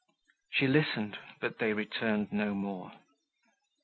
She listened, but they returned no more.